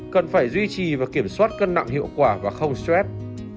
cần phải duy trì và kiểm soát cân nặng hiệu quả và không stress